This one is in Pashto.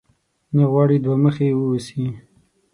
نه غواړې دوه مخی واوسې؟